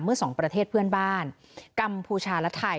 สองประเทศเพื่อนบ้านกัมพูชาและไทย